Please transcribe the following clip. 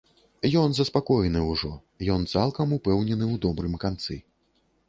Ён заспакоены ўжо, ён цалкам упэўнены ў добрым канцы.